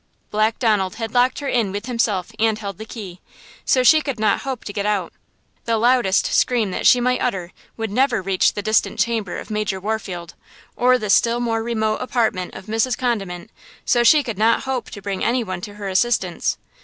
Black Donald had locked her in with himself and held the key–so she could not hope to get out. The loudest scream that she might utter would never reach the distant chamber of Major Warfield, or the still more remote apartment of Mrs. Condiment; so she could not hope to bring any one to her assistance.